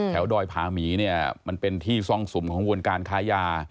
ดอยผาหมีเนี่ยมันเป็นที่ซ่องสุมของวนการค้ายา